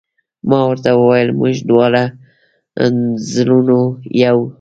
ما ورته وویل: موږ دواړه زړور یو.